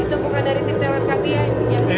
itu bukan dari tim talent kami yang nyampe